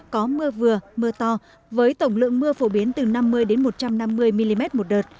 có mưa vừa mưa to với tổng lượng mưa phổ biến từ năm mươi một trăm năm mươi mm một đợt